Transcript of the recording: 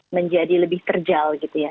menjadi lebih terjal gitu ya